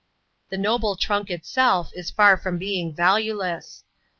The noble trunk itself is far from being valueless.